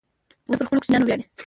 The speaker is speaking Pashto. وزې پر خپلو کوچنیانو ویاړي